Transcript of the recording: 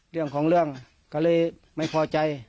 เรื่องของเรื่องก็เลยไม่พอใจ